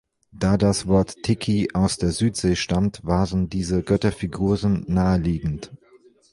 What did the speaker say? Da das Wort "Tiki" aus der Südsee stammt, waren diese Götterfiguren naheliegend.